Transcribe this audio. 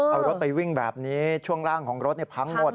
เอารถไปวิ่งแบบนี้ช่วงล่างของรถพังหมด